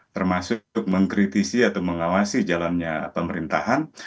termasuk mengkritisi atau mengawasi jalannya pemerintahan